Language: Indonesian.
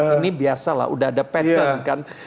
ini biasalah udah ada pattern kan